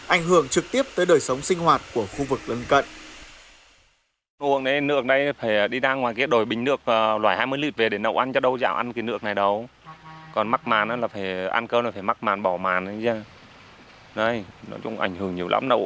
ảnh hưởng trực tiếp tới đời sống sinh hoạt của khu vực lân cận